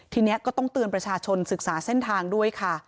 ทีนี้ก็ต้องเตือนประชาชนศึกษาเส้นทางด้วยค่ะ